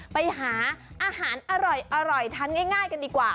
ไปหาอาหารอร่อยทานง่ายกันดีกว่า